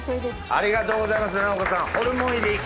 ありがとうございます直子さん。